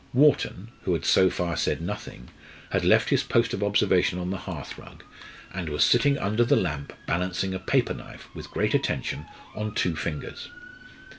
Wharton, who had so far said nothing, had left his post of observation on the hearth rug, and was sitting under the lamp balancing a paper knife with great attention on two fingers.